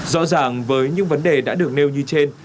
rõ ràng với những vấn đề đã được nêu như trên